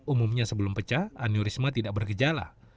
umumnya sebelum pecah aneurisma tidak bergejala